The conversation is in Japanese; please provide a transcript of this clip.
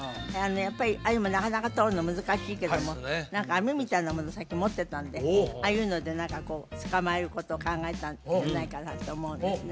やっぱりアユもなかなかとるの難しいけども何か網みたいなものをさっき持ってたんでああいうので何かこう捕まえることを考えたんじゃないかなと思うんですね